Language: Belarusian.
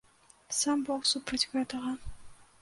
Сам бог супраць гэтага.